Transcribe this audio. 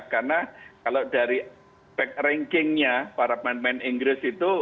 karena kalau dari rankingnya para pemain pemain inggris itu